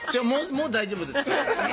もう大丈夫です。